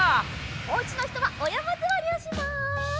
おうちのひとはおやまずわりをします。